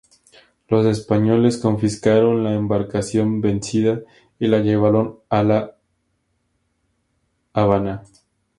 Los españoles confiscaron la embarcación vencida y la llevaron a La Habana.